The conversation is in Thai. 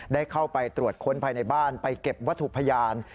ได้เข้าไปตรวจค้นภายในบ้านไปเก็บวัตถุพยาน